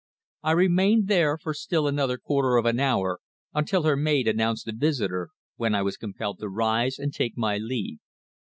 I remained there for still another quarter of an hour until her maid announced a visitor, when I was compelled to rise and take my leave.